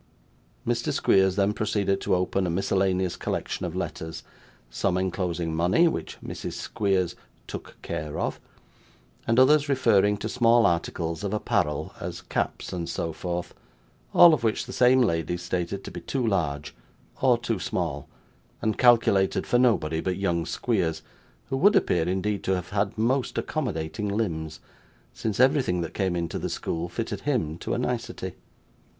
Mr. Squeers then proceeded to open a miscellaneous collection of letters; some enclosing money, which Mrs. Squeers 'took care of;' and others referring to small articles of apparel, as caps and so forth, all of which the same lady stated to be too large, or too small, and calculated for nobody but young Squeers, who would appear indeed to have had most accommodating limbs, since everything that came into the school fitted him to a nicety.